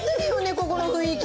ここの雰囲気。